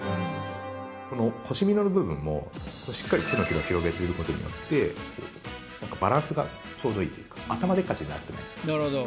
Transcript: この腰みのの部分もしっかり手のひら広げてることによってバランスがちょうどいいというか頭でっかちになってるんです。